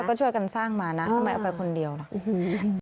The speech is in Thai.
ก็ช่วยกันสร้างมานะทำไมเอาไปคนเดียวล่ะโอ้โห